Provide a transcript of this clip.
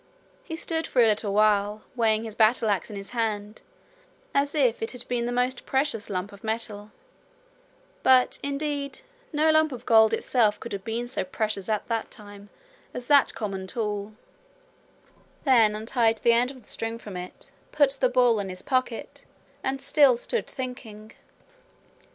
He stood for a little, weighing his battle axe in his hand as if it had been the most precious lump of metal but indeed no lump of gold itself could have been so precious at the time as that common tool then untied the end of the string from it, put the ball in his pocket, and still stood thinking.